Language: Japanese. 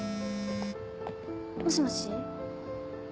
もしもし？